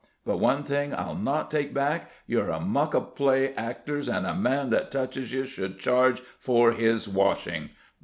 But one thing I'll not take back. You're a muck of play actors, and a man that touches ye should charge for his washing.